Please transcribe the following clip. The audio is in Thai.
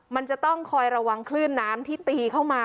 มันจะต้องคอยระวังคลื่นน้ำที่ตีเข้ามา